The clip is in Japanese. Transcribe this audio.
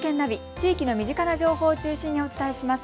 地域の身近な情報を中心にお伝えします。